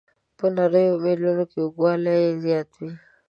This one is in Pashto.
په نریو میلو کې اوږدوالی یې زیات وي.